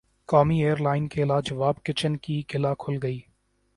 قومی ایئرلائن کے لاجواب کچن کی قلعی کھل گئی